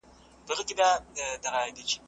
ماشین ګټور دی.